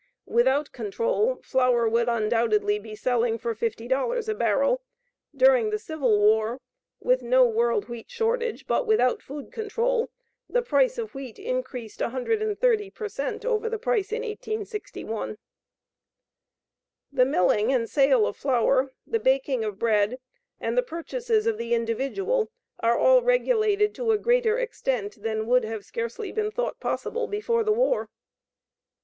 Without control, flour would undoubtedly be selling for $50 a barrel. During the Civil War, with no world wheat shortage, but without food control, the price of wheat increased 130 per cent over the price in 1861. The milling and sale of flour, the baking of bread, and the purchases of the individual are all regulated to a greater extent than would have scarcely been thought possible before the war.